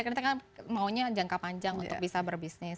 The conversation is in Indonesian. karena kita kan maunya jangka panjang untuk bisa berbisnis